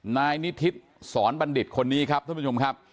นายนิทิศสอนบัณฑิตคนนี้ครับท่านผู้ชมครับ